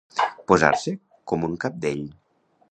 Posar-se com un cabdell.